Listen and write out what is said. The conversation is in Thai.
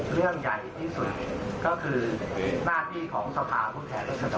เรื่องใหญ่ที่สุดก็คือหน้าที่ของสถานพุทธแทนรัฐธรรมดี